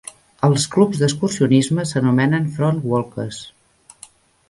Els clubs d'excursionisme s'anomenen Frontwalkers.